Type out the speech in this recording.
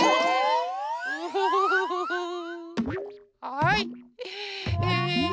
はい。